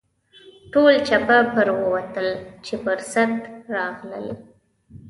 ټول چپه پر ووتل چې پر سد راغلل.